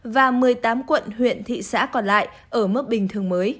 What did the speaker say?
và một mươi tám quận huyện thị xã còn lại ở mức bình thường mới